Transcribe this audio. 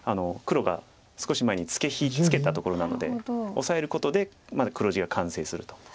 黒が少し前にツケたところなのでオサえることで黒地が完成すると。